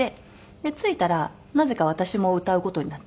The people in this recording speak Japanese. で着いたらなぜか私も歌う事になっていて。